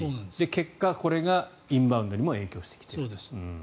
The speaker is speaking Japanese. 結果、これがインバウンドにも影響してきている。